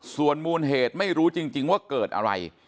ส่วนมูลเหตุไม่รู้จริงว่าเกิดอะไร